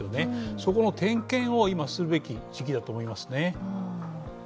そこの点検を今するべき時期だと思いますね。